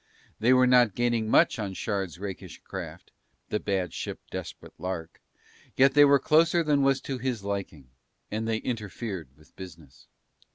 They were not gaining much on Shard's rakish craft, the bad ship Desperate Lark, yet they were closer than was to his liking, and they interfered with business.